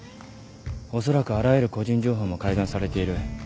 おそらくあらゆる個人情報も改ざんされている。